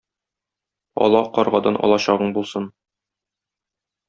Ала каргадан алачагың булсын.